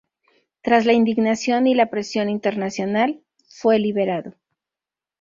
Tras la indignación y la presión internacional, fue liberado.